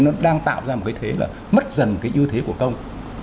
nó ra một cái thế là mất dần cái ưu thế của công